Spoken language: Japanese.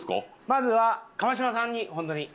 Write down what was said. まずは川島さんにホントに。